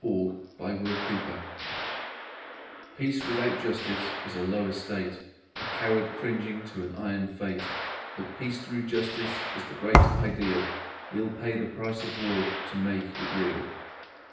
THE PRICE OF PEACE Peace without Justice is a low estate, A coward cringing to an iron Fate! But Peace through Justice is the great ideal, We'll pay the price of war to make it real.